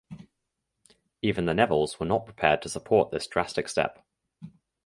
Even the Nevilles were not prepared to support this drastic step.